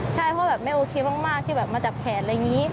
ใช่เพราะแบบไม่โอเคมากที่แบบมาจับแขนอะไรอย่างนี้